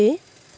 và cứ như thế